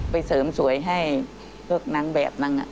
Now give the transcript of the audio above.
ไปเสริมสวยให้เพิกนางแบบนั้น